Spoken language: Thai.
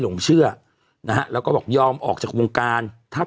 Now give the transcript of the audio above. ขอบคุณนะครับขอบคุณนะครับขอบคุณนะครับ